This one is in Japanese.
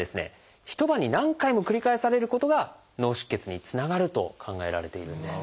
一晩に何回も繰り返されることが脳出血につながると考えられているんです。